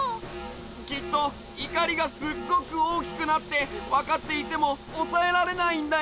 きっといかりがすっごくおおきくなってわかっていてもおさえられないんだよ！